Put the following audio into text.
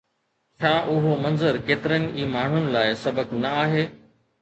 ڇا اهو منظر ڪيترن ئي ماڻهن لاءِ سبق نه آهي؟